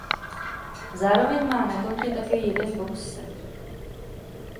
Zároveň má na kontě také jeden box set.